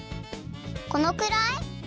このくらい？